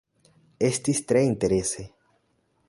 Estis tre interese